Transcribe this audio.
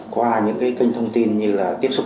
qua những cái kênh thông tin như là tiếp xúc